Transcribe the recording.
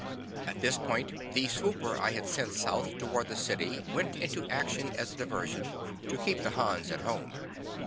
At this point, the swooper I had sent south toward the city went into action as a diversion, to keep the Hans at home.